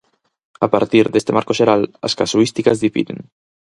A partir deste marco xeral, as casuísticas difiren.